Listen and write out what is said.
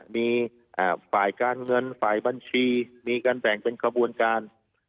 มีฝ่ายการเงินฝ่ายบัญชีมีการแบ่งเป็นขบวนการ